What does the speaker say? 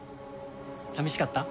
寂しかった？